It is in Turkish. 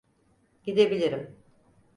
Gidebilirim.